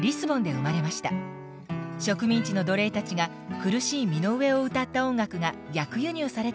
植民地の奴隷たちが苦しい身の上を歌った音楽が逆輸入されたといわれています。